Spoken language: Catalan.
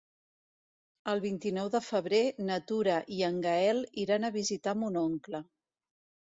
El vint-i-nou de febrer na Tura i en Gaël iran a visitar mon oncle.